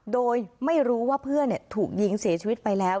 โดยไม่รู้ว่าเพื่อนถูกยิงเสียชีวิตไปแล้ว